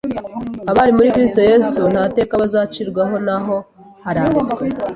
"Abari muri Kristo Yesu nta teka bazacirwaho na ho haranditswe